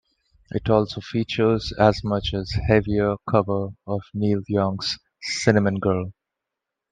It also features a much heavier cover of Neil Young's Cinnamon Girl.